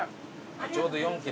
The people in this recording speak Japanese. ちょうど４切れ。